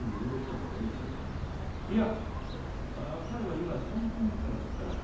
いやあ彼は今散歩に出てますから。